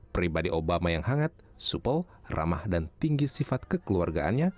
pribadi obama yang hangat supel ramah dan tinggi sifat kekeluargaannya